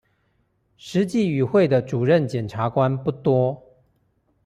實際與會的主任檢察官不多